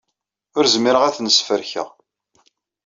Ur zmireɣ ad ten-sferkeɣ.